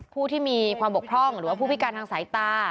ผู้ที่มีความบกพร่องหรือว่าผู้พิการทางสายตา